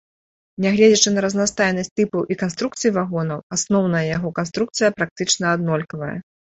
Нягледзячы на разнастайнасць тыпаў і канструкцый вагонаў, асноўная яго канструкцыя практычна аднолькавая.